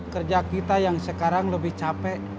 kerja kita yang sekarang lebih capek